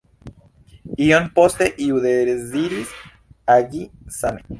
Iom poste iu deziris agi same.